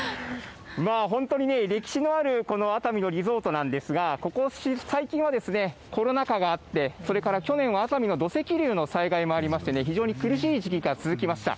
本当にね、歴史のあるこの熱海のリゾートなんですが、ここ最近は、コロナ禍があって、それから去年は熱海の土石流の災害がありましてね、非常に苦しい時期が続きました。